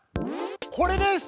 これです！